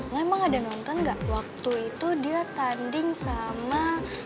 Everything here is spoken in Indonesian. lo emang ada nonton gak waktu itu dia tanding sama